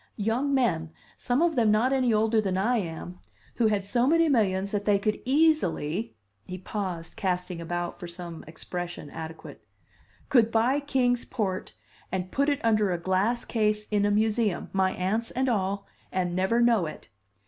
young men, some of them not any older than I am, who had so many millions that they could easily " he paused, casting about for some expression adequate "could buy Kings Port and put it under a glass case in a museum my aunts and all and never know it!"